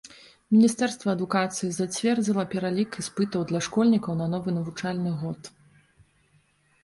Міністэрства адукацыі зацвердзіла пералік іспытаў для школьнікаў на новы навучальны год.